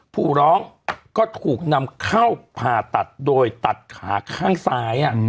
ผู้ร้องก็ถูกนำเข้าผ่าตัดโดยตัดขาข้างซ้าย